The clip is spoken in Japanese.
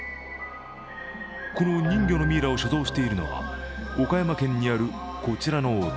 この人魚のミイラを所蔵しているのは岡山県にあるこちらのお寺。